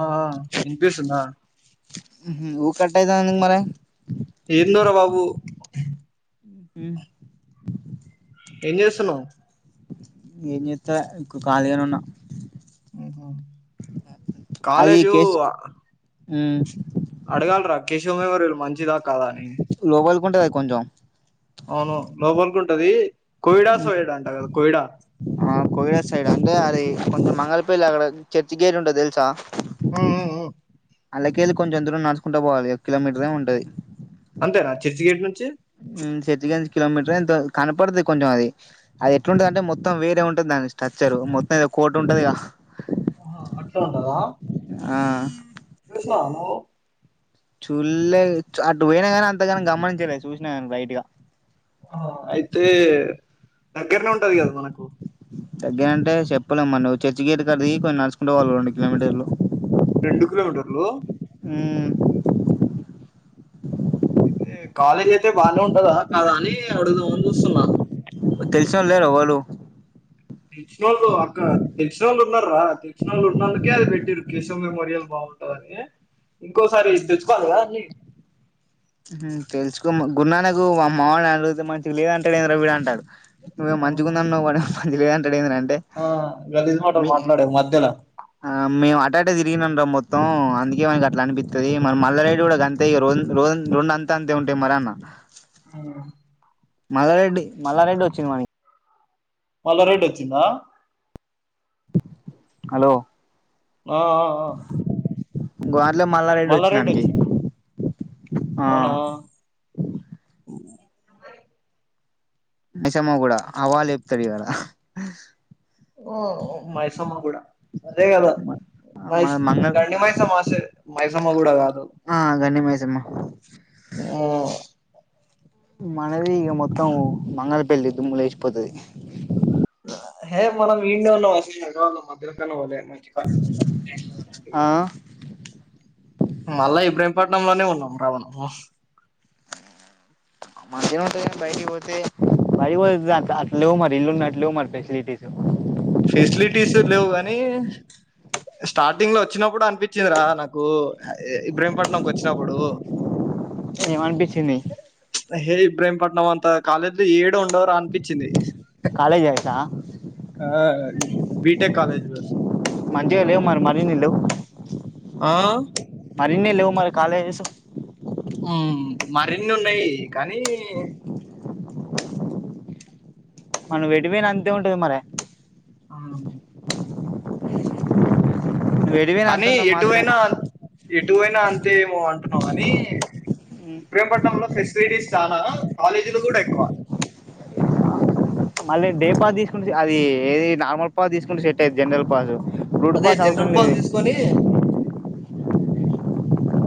ఆ ఇన్పిస్తుందా ఊహూ ఊకట్టేదానికి మరే ఏందో రా బాబు ఉహూ ఏం చేస్తున్నావ్ ఏం చేత్తా ఇకు ఖాళీగానే ఉన్నా ఏహా అది కేస్ అడగాలరా కేశవ్ మెమోరియల్ మంచిదా కాదా అని లోపలికి ఉంటదా కొంచెం అవును లోపల్కుంటది కోయిడా సోయిడా అంట కదా కోయిడా ఆ కోయిడా సైడా అంటే అది కొంచెం మంగళపల్లి అక్కడ చర్చి గేట్ ఉంటది తెలుసా ఊ ఊ ఊ అళ్ళ కెళ్ళి కొంచెం దూరం నడుసుకుంటా పోవాలి ఒక కిలోమీటర్ ఏమో ఉంటది అంతేనా చెర్చి గేట్ నుంచి ఉమ్ చర్చి కాడ నుంచి కిలోమీటరో ఎంతో కనపడదు కొంచెం అది అది ఎట్లుంటది అంటే మొత్తం వేరే ఉంటది దాని స్ట్రక్చరు మొత్తం ఏదో కోట ఉంటది గా హ అట్లే ఉంటందా ఆ చూసినవా నువ్వు చుల్లే అటు పోయినా కానీ అంతగాని గమనించలేదు చూసినా కానీ లైటు గా అయితే దగ్గరనే ఉంటది కదా మనకు దగ్గర అంటే చెప్పలేం మరి నువ్వు చర్చి గేట్ కడా దిగి కొంచెం నడుచుకుంటూ పోవాలి రెండు కిలోమీటర్లు రెండు కిలోమీటర్ లు ఉమ్మ్ అంటే కాలేజీ అయితే బాగానే ఉంటదా కదా అని అడుగుదామని చూస్తున్నా తెల్సి నోళ్ళు లేరా ఎవ్వలు తెలిసినోళ్లు అక్క తెలిసినోళ్లు ఉన్నారు రా తెలిసినోళ్లు ఉన్నందుకే అది పెట్టిరు కేశవ్ మెమోరియల్ బాగుంటుదని ఇంకోసారి తెలుసుకోవాలి కద తెలుసుకో గురున్నకు మావయ్య వాడిని అడిగుతే మంచిగా లేదంటాడు విడు అంటారు నువ్వేమో మంచిగా ఆహా. ఉందన్నావు వాడేమో మంచిగా లేదంటాడు ఏందిరా ఆ గలీజ్ మాటలు మీ మాట్లాడకు మధ్య ఆ మేము అటాటే తిరిగినం రా మొత్తం అందుకే వానికి అట్లా అని అది మన మల్లారెడ్డి కూడా అంతే రోజు రెండు అంతా అంతే ఉంటాయి మరి అన్న ఆ మల్లారెడ్డి మల్లారెడ్డి వచ్చిన్ మల్లారెడ్డి వచ్చిందా హలో ఆ ఆ గోట్లో మల్లారెడ్డి వచ్చింది వానికి అవునా మైసమ్మగూడ అవా చెపుతారు ఇడ మైసమ్మ గూడా అదే కద మన మైస్ మంగళ గండి మైసమ్మ మైసమ్మ గూడా కాదు ఆ గండి మైసమ్మ ఆ మనది ఇక మొత్తం బంగళపల్లి దుమ్ము లేసిపోతది హ మన వి ఇండిన్నా వసవా మాత్రకన పో మంచి ఆ [unintelligible] మళ్ళా ఇబ్రేంపట్న లోనే ఉన్నాం రా మనము మంచిగానే ఉంటది కానీ బయటి పోతే బయటికి పోతే అట్ల అట్లా లేవు మరి ఇల్లు ఉన్నట్టు లేవు మరి ఫెసిలిటీస్ ఫెసిలిటీస్ లేవుగాని స్టార్టింగ్ లో వచ్చినప్పుడు అనిపించిందిరా నాకు ఇబ్రహీంపట్నంకి వచ్చినప్పుడు ఏం అనిపించింది హే ఇబ్రేంపట్నం అంతా కాలేజ్ లో ఏడ ఉండవురా అనిపించింది కాలేజ్ తెల్సా ఆ బిటెక్ కాలేజ్ లో మంచిగా లేవు మరి ఇన్ని లేవు ఆ మరి ఇన్ని లేవు మరి కాలేజెస్ ఉ మరిన్ని ఉన్నాయి కానీ మనం ఎటు పోయిన అంతే ఉంటది మరి ఆవు నువ్వు ఎటు పోయినా కానీ అంతంత మాత్రమే ఎటువైనా ఎటువైనా అంతే ఏమో అంటున్నావు అని ఆ ప్రేమపట్నంలో ఫెసిలిటీస్ చాలా కాలేజీలు కూడా ఎక్కువ మళ్ళీ డే పా తీసుకుంట అది ఏది నార్మల్ పా తీసుకుంటే సెట్ అయిది జనరల్ పాసు అదే జనరల్ పాస్ తీసుకొని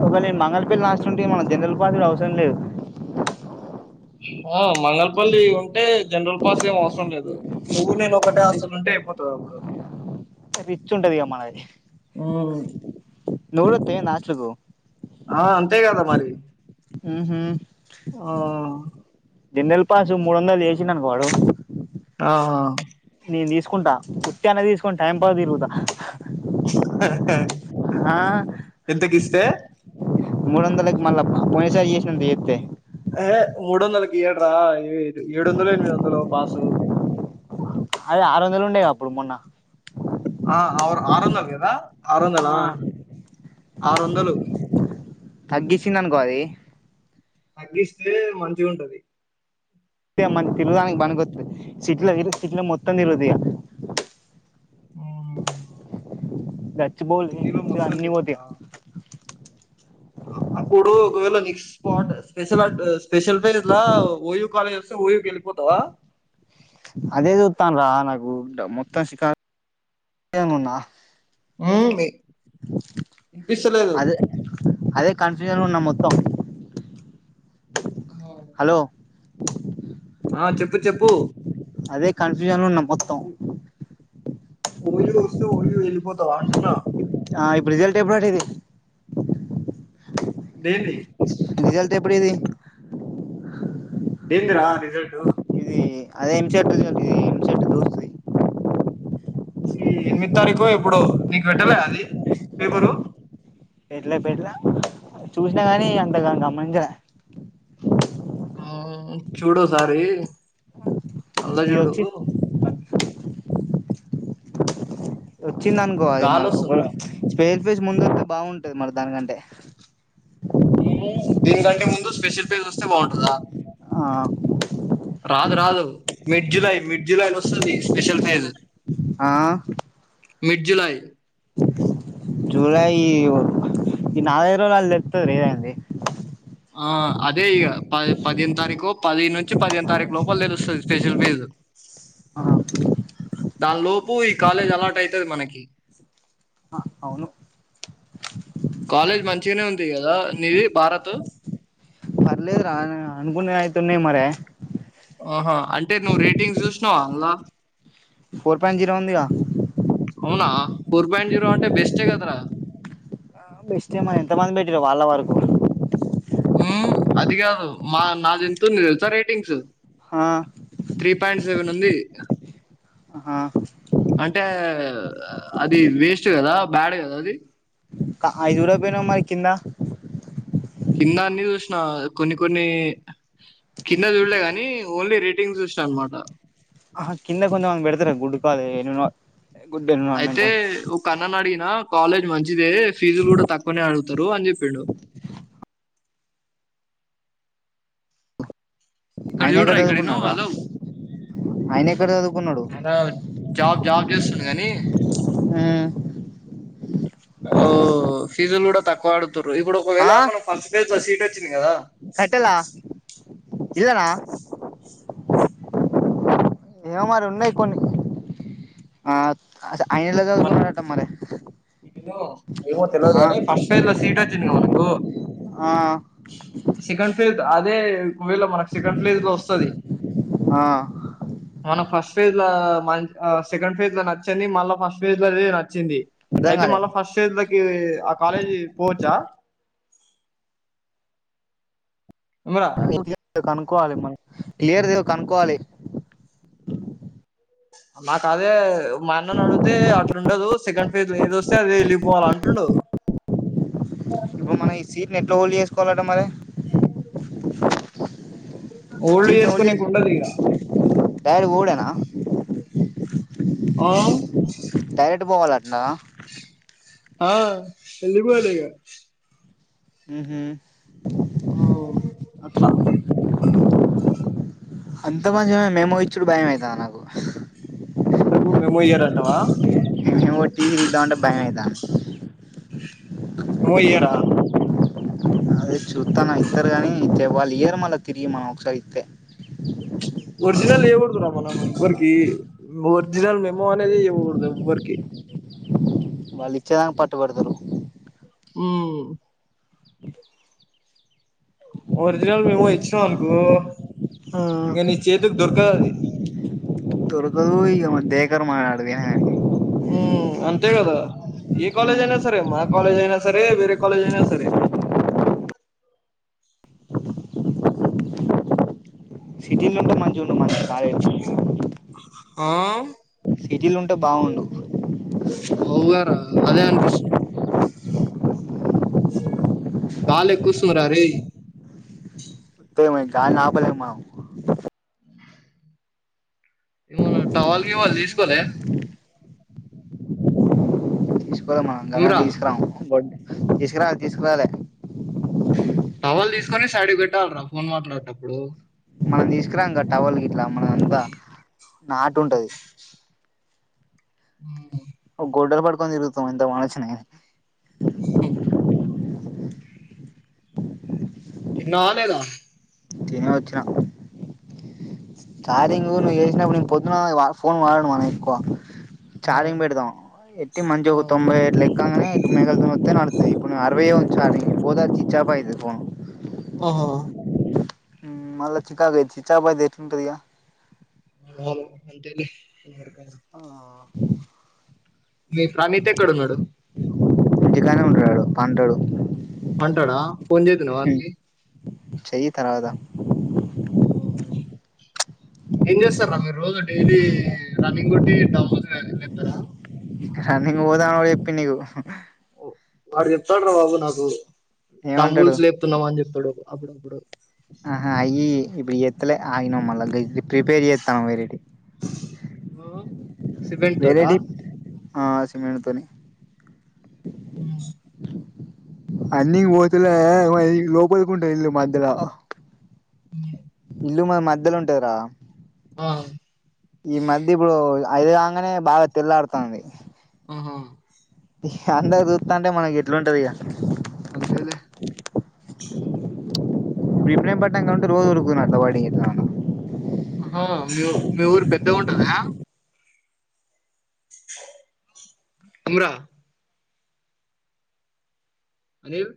ఒకవేళ నేను మంగళపల్లి హాస్టల్ ఉంటే మన జనరల్ పాస్ లు అవసరం లేదు. ఆ మంగల్పల్లి ఉంటే జనరల్ పాస్ లు ఏం అవసరం లేదు. నువ్వు నేను ఒకటే హాస్టల్ లో ఉంటే అయిపోతాది అప్పుడు రిచ్ ఉంటదిగా మనది నూలతే నాచగో ఆ అంతే కదా మరి ఊహు ఆ దిన్నెలపాసు మూడు వందలు చేసిననువాడు. ఆహ నేను తీసుకుంటా ఉత్త అన్న తీసుకుని టైంపాస్ కి తిరుగుతా ఎంతకి ఇస్తే మూడొందలకి మళ్ళ పోయినసారి చేసినంత ఎతే ఏ మూడు వందలకి ఈఏడ్రా ఏ ఏడు వందలు ఎనిమిది వందలు పాసు అదే ఆరు వందలు ఉండేయి క అప్పుడు మొన్న ఆ అరు ఆరు వందలు కదా ఆరు వందల ఆ ఆరు వందలు తగ్గించింది అనుకో అది తగ్గిస్తే మంచిగా ఉంటది మనకి తిరుగుదానికి బని గొతది సిట్లో సిట్లో మొత్తం తిరుగుదిగ గచ్చ బోల్ సిటీలో మొత్తం అన్ని పోతే తిరుగుతా అప్పుడు ఒకవేళ నెక్స్ట్ స్పాట్ స్పెషల్ స్పెషల్ పే ఇలా ఓయ్ కాలేజ్ వస్తే ఓయ్కి వెళ్ళిపోతావా అదే చూతాను రా నాకు మొత్తం షికారు ఏమున్నా [unintelligible] ఇనిపిస్తలేదు అదే అదే కన్ఫ్యూజన్ ఉన్నా మొత్తం హలో ఆ చెప్పు చెప్పు అదే కన్ఫ్యూజన్ లో వున్న మొత్తం ఓళ వస్తే ఓయిళ వెళ్ళిపోతావా అంటున్నా ఆ ఇప్పుడు రిజల్ట్ ఎప్పుడు ఇది డైలీ రిజల్ట్ ఎప్పుడు ఇది దేనికిరా రిజల్టు ఇది అదే నిమిషది [unintelligible] ఈ ఎనిమిదో తారీకు ఇప్పుడో నీకు పెట్టలే అది పేపరు పెట్లే పెట్లా చూసినా గానీ అంతగాని గమనించలే ఆ చూడు సారి అల ఇది చూడు వచ్చి కనిపిస్తది. వచ్చింది అనుకో అది గాలి మరి వస్తుందిరా స్పేర్ ఫేస్ ముందు వస్తతే బాగుంటది మరి దానికంటే ఊ దీనికంటే ముందు స్పెషల్ పేస్ ఒస్తే బాగుంటందా! ఆ రాదు రాదు మిడ్ జులై మిడ్ జులై ఒస్తది. స్పెషల్ ఫేజ్ ఆ మిడ్ జులై జూలై ఈ నాలుగైదు రోజులల తెల్తది రా ఏదనేదీ ఆ అదే ఇగ పది పదియేను తారీకో పదియేను నున్ నుంచి పదిహేను తారీక్ లోపల తెలుస్తది. స్పెషల్ ఫెజ్ దానిలోపు ఈ కాలేజ్ అలర్ట్ అయితది. మనకి ఆ అవును. కాలేజ్ మంచిగనే ఉంది గదా నీది భారత్ లేదు రా అనుకునేయి అయితున్నాయి. మరే ఆహా అంటే నువ్వు రేటింగ్స్ జూశినవా అంలా! ఫోర్ పాయింట్ జీరో ఉందిగా అవునా ఫోర్ పాయింట్ జీరో అంటే బెస్టే కదరా! బెస్టే మరి ఎంత మంది పెట్టిరో మరి వాళ్ళ వరకు ము అది గాదు మా నాదెంతుంది తెలుసా రేటింగ్స్ హా త్రీ పాయింట్ సెవెన్ ఉంది. ఆ అంటే అది వేస్ట్ గదా బ్యాడ్ గదా అది అయిసూడకపోయినావ్ మరి కింద కింద అన్ని జూశిన కొన్ని కొన్ని కింద చూడలే గని ఓన్లీ రేటింగ్స్ జూశిన అనమాట అహ కింద కొంత మంది పెడుతరు గుడ్డు కాలు ఎ అయితే ఉప్ ఒకన్ననడిగిన అడిగినా కాలేజ్ మంచిదే ఫీజులు గూడ తక్కువనే అడుగుతరు అని జెప్పిండు. ఇక్కడ ఆయన ఎక్కడ జూడరా ఇక్కడ ఇను చదువుకున్నారా హలో! ఆయన ఎక్కడ చదువుకున్నాడు [inaudible] జాబ్ జాబ్ చేస్తుండు గనీ ఊ ఓ ఫీజులు గూడ తక్కువ ఆడుగుతుర్రూ ఇప్పుడు ఒకవేళ ఆ మనం ఫస్ట్ పేజ్లొ సీట్ ఒచ్చింది కదా! కట్టెలా ఇల్లనా! ఏమో మరి ఉన్నయి కొన్ని ఆ అస్ ఆయన ఎట్లా సదువుకున్నడాట మరి ఇనో ఏమో తెలివదు ఆ గనీ ఫస్ట్ ఇయర్ లో సీట్ ఒచ్చింది గదా మనకు ఆ సెకండ్ ఫేజ్ అదే ఒకవేళ మనకు సెకండ్ ఫ్లేజ్ లో వస్తది. ఆ మన ఫస్ట్ ఫేజ్ ల మ సెకండ్ ఫేజ్ లొ నచ్చని మళ్ళ ఫస్ట్ ఫేజ్ లది నచ్చింది. అర్థం అయితే కాలే మళ్ళ ఫస్ట్ ఫేజ్ లకి ఆ కాలేజీ పోవచ్చా! మురా క్లియర్ కనుక్కోవాలి మనం క్లియర్ది కనుక్కోవాలి. మాకు అదే మా అన్నను అడిగితే అట్లు ఉండదు. సెకండ్ ఫెజ్ లో ఏద ఒస్తే అదే ఎళ్ళిపోవాలి అంటుండు. ఇప్పుడు మనం ఈ సీట్ నీ ఎట్ల ఓల్డ్ చేసుకోవాలట మరీ చిన్ ఓల్డ్ చేసుకునేకి జేసి ఉండదు ఇక డాడ్ పోవుడేనా ఆహం. డైరెక్ట్ బోవాలటనా. ఆ ఎల్లి పోయాడు గ. ఉహు. అవుది. అట్లా. అంత మంచి మేమో ఇచ్చడు బయమైతంది నాకు. ఎందుకు మేమో ఇయరంటావా. ఒట్టీగిద్దామంటే భయం అయితంది. ఏ ఇయ్యరా. అదే చూత్తన్న ఇత్తరు గాని ఇచ్చే వాళ్ళ ఇయర్ మళ్ళ తిరిగి మన ఒకసారి ఇత్తే. ఒరిజినల్ ఇయకూడదు రామన్న ఎవ్వరికి ఒరిజినల్ మెమో అనేది ఇవ్వకూడదు ఏవ్వరికి. వాళ్ళు ఇచ్చేదాక పట్టు వడ్తరు. ఉమ్. ఒరిజినల్ మేమో ఇచ్చినవనుకో ఆ ఇగ నీ చేతికి దొరకదది. కొడుకులు ఇగ మనల్ని దేకరిగా మనం ఆడికి వోయినగాని. ఉ అంతే గదా ఏ కాలేజ్ అయినా సరే మా కాలేజ్ అయినా సరే వేరే కాలేజ్ అయినా సరే. సిటీల్నుంటే మంచిగుండు మంచి కాలేజీ లు. ఆమ్. సిటీలుంటే బాగుండు. అవుగారా అదే అనిపిస్తుంది. గాలే క్కుస్తుంది రా అరేయ్. అత్తె ఏమైంది గల్నాపలేము మనం. ఉమ్ టవల్ గీవల్ తీసుకోలే. అ ఓలమ్మ ఉమ్రా గలాంటియి తీస్కారము ఓ తీసుకరాలే తీసుకరవాలే. టవల్ తీసుకొని శైడీకీ వేట్టార్ల ఫోన్ మాట్లాడేటప్పుడు. మనం దిస్కరం గద టవాల్ గీట్లా మనదంతా నాటుంటది. ఆ ఓ గోడ్డల్ పట్టుకొనితిరుగుతాం ఎంత వానచ్చిన గని. స తిన్నావా లేదా. తినే ఓచ్చిన. చార్జింగు నువు యేసినప్పుడు నేన్ పొద్దున వా నేన్ ఫోన్ వాడను అనీ ఎక్కువ. ఆ చార్జింగ్ పెడదాం ఎక్కి మంచిగా ఆ ఒక తొంభై ఇట్ల ఎక్కంగనే. మేఘాలతో ఓత్తే నడత్తయి ఇప్పుడు అరవై ఉంది ఛార్జింగ్ పోతనీ చిచ్చ ఆఫ్ అయితది ఫోన్. ఆహా. మళ చికాక్ అయితది చిచ్చా ఆఫ్ అయితే ఎట్లా ఉంటదిగా. అవును అంతేలె ఎవరికైనా. ఆ. మీ ఫ్రనిత్ ఎక్కడ ఉన్నాడు. ఇంటికానే ఉంటడడు పంటడు. పంటడా ఫోన్ జేసినవా వానికి. చెయ్ తర్వాత. ఊ. ఏం చేస్తారా మీరు రోజు డైలీ రన్నింగ్ కొట్టి డబుస్ లెప్తారా రన్నింగ్ పోదామని చెప్పిండు నీవు ఓ వాడు చెప్తాడు రా బాబు నాకు ఏమంటాడు రూల్స్ చెప్తావని అప్పుడెప్పుడో ఆహా ఈ ఇప్పుడు ఎత్లే ఆయన మల్ల ఇ ప్రిపేర్ చేతాం వేరేటి ఉ వేరేటి ఆ సిమెంట్ తోని ఉ రన్నింగ్ పోతలే మరి లోపలికి ఉంటాయి ఇల్లు మధ్యలో ఉ ఇల్లు మ మధ్యలో ఉంటది రా ఆ ఈ మధ్య ఇప్పుడు ఐదు కాగానే బాగా తెల్లాడుతాంది ఆహా అందరూ చూస్తంటే మనకి ఎట్లుంటుంది గా అంతేలే ఇప్పుడేం పట్టంటే ఉంటే రోజు వద్దునట్ల బయటకి [unintelligible] ఆ మీ ఊరు మీ ఊరు పెద్దగా ఉంటద అమ్మురా అనిల్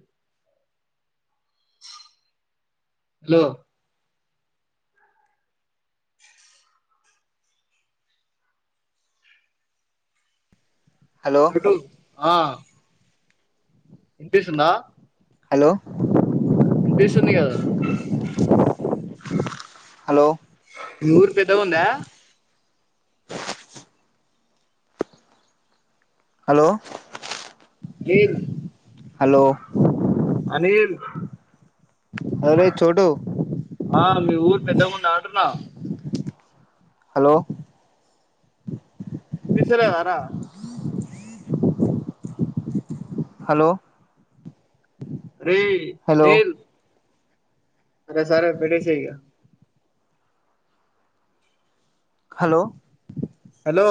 హలో హలో టు ఆ వినిపిస్తుందా హలో వినిపిస్తుంది కదా హలో మీ ఊరు పెద్దగుందా హలో నీరు హలో అనిల్ అరేయ్ చోటు ఆ మీ ఊరు పెద్దగా ఉందా అంటున్నా హలో వినిపిస్తా లేదారా హలో రే హలో అనిల్ సరే సరే పెట్టేసేయ్ ఇగ హలో హలో